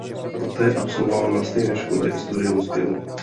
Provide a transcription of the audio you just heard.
Poté absolvoval na stejné škole i studium zpěvu.